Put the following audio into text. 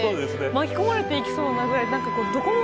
巻き込まれていきそうなぐらい。